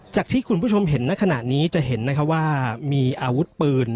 ที่คุณผู้ชมเห็นในขณะนี้จะเห็นว่ามีอาวุธปืน